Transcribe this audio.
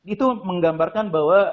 itu menggambarkan bahwa